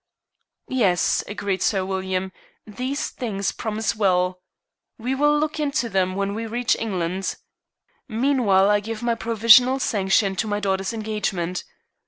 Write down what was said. "Yes," agreed Sir William, "these things promise well. We will look into them when we reach England. Meanwhile, I give my provisional sanction to my daughter's engagement.